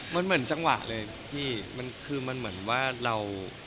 มันเหมือนจังหวะเลยพี่มันคือมันเหมือนว่าเรา